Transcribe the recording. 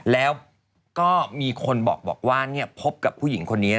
แล้วก็มีคนบอกว่าพบกับผู้หญิงคนนี้